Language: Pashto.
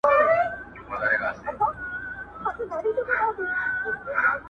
ما یې خالي انګړ ته وکړل سلامونه،